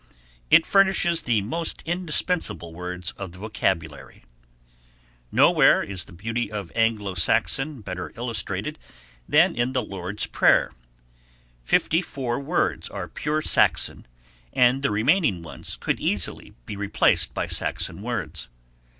It furnishes the most indispensable words of the vocabulary. (See Chap. XIII.) Nowhere is the beauty of Anglo Saxon better illustrated than in the Lord's Prayer. Fifty four words are pure Saxon and the remaining ones could easily be replaced by Saxon words.